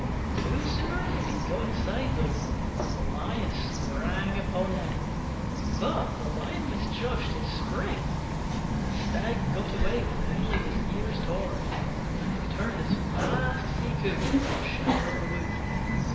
No sooner had he got inside than the Lion sprang upon him, but he misjudged his spring, and the Stag got away with only his ears torn, and returned as fast as he could to the shelter of the wood.